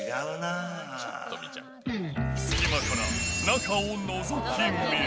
隙間から中をのぞき見る。